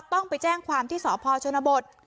ต้องไปแจ้งความที่สพชนบท